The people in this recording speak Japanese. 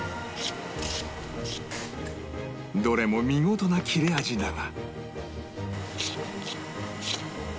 どれも見事な切れ味だが